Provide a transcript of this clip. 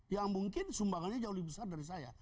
yang mungkin sumbangannya jauh lebih besar dari saya